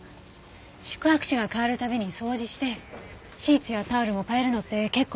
宿泊者が変わる度に掃除してシーツやタオルも替えるのって結構大変じゃない？